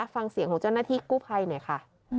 ฟังเสียงของเจ้าหน้าที่กู้ภัยหน่อยค่ะ